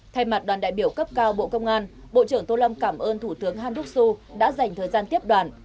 thay mặt đoàn đại biểu cấp cao bộ công an bộ trưởng tô lâm cảm ơn thủ tướng han đắc xu đã dành thời gian tiếp đoàn